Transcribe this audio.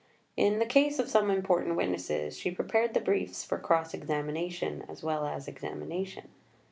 In the case of some important witnesses, she prepared the briefs for cross examination, as well as examination.